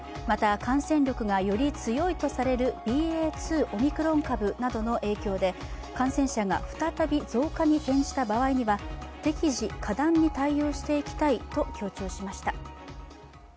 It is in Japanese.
また感染力がより強いとされるＢＡ．２オミクロン株などの影響で感染者が再び、増加に転じた場合には適時果断に対応していきたいと強調しました。